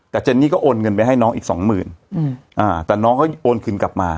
แต่เจนนี่ก็โอนเงินไปให้น้องอีกสองหมื่นแต่น้องเขาโอนคืนกลับมา